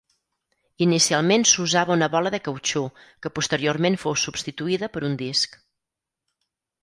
Inicialment s'usava una bola de cautxú que posteriorment fou substituïda per un disc.